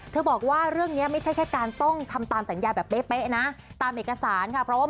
บอกว่าเรื่องนี้ไม่ใช่แค่การต้องทำตามสัญญาแบบเป๊ะนะตามเอกสารค่ะ